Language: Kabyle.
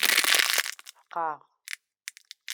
Feqɛeɣ.